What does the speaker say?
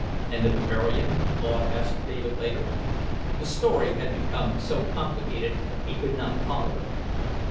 "And the Bavarian?" Claude asked David later. The story had become so complicated he could not follow it.